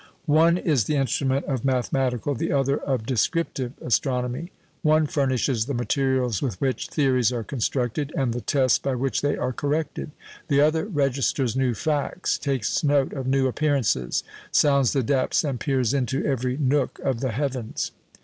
One is the instrument of mathematical, the other of descriptive astronomy. One furnishes the materials with which theories are constructed and the tests by which they are corrected; the other registers new facts, takes note of new appearances, sounds the depths and peers into every nook of the heavens.